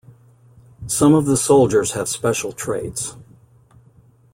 Some of the soldiers have special traits.